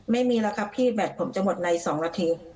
ไม่มีแล้วครับพี่แบตผมจะหมดใน๒นาที